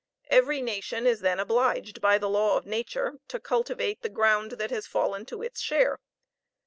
Every nation is then obliged by the law of nature to cultivate the ground that has fallen to its share.